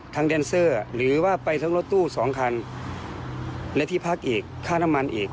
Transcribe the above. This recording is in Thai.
แดนเซอร์หรือว่าไปทั้งรถตู้สองคันและที่พักอีกค่าน้ำมันอีก